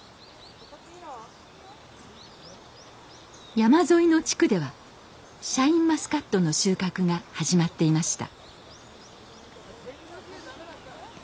山沿いの地区ではシャインマスカットの収穫が始まっていました。